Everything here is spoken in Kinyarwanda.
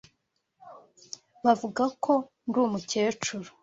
Bavuga ko ndi umukecuru.